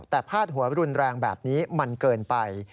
แต่พาดหัวรุนแรงแบบนี้มันเกินไป